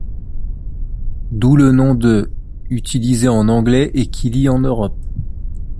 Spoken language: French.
D'où le nom de ' utilisé en anglais et killi en Europe.